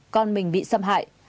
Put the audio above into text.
con mình bị xâm hại